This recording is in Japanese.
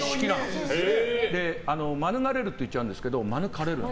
「まぬがれる」って言っちゃうんですけど「まぬかれる」。